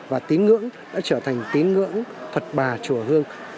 và tín ngưỡng đã trở thành tín ngưỡng phật bà chùa hương